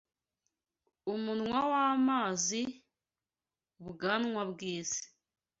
umunwa w'amazi, ubwanwa bw'isi